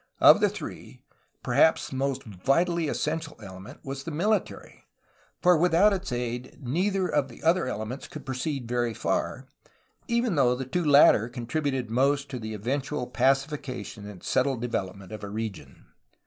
Of the three, perhaps the most vitally essential element was the military, for without its aid neither of the other elements could proceed very far, even though the two latter contri buted most to the eventual pacification and settled develop ment of a region.